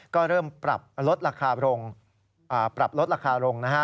ก็เริ่มปรับลดราคาลง